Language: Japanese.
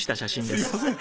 すみません。